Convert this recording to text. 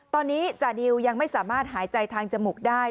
ตอนนี้จาดิวยังไม่สามารถหายใจทางจมูกได้